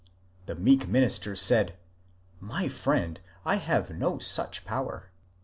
The meek minister said, ^^ My friend, I have no such power."